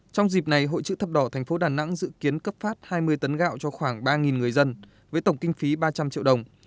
trong dịp này hội chữ thập đỏ tp đà nẵng dự kiến cấp phát hai mươi tấn gạo cho khoảng ba người dân với tổng kinh phí ba trăm linh triệu đồng